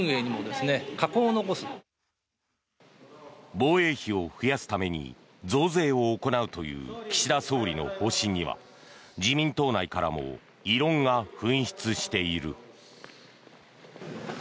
防衛費を増やすために増税を行うという岸田総理の方針には自民党内からも異論が噴出している。